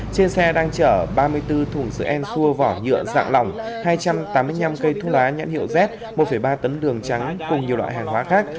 trên xe đang chở ba mươi bốn thùng sữa en xua vỏ nhựa dạng lỏng hai trăm tám mươi năm cây thuốc lá nhãn hiệu z một ba tấn đường trắng cùng nhiều loại hàng hóa khác